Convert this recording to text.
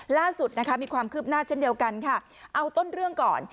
ล่าสุดนะคะมีความคืบหน้าเช่นเดียวกันค่ะเอาต้นเรื่องก่อน